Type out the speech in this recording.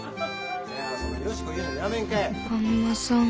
あん摩さん。